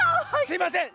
すいません！